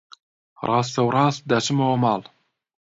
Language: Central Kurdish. ڕاستەوڕاست دەچمەوە ماڵ.